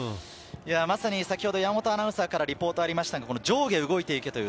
山本アナウンサーからリポートがありました、上下動いていけという。